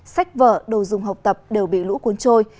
sách vở đồ dùng học tập đều bị lũ cuốn trôi